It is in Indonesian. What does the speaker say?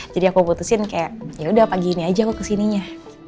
jadi aku mau putusin kayak yaudah pagi ini aja aku kesininya